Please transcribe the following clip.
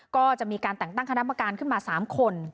ก็จะมีการแต่งตั้งคณะกรรมการขึ้นมา๓คน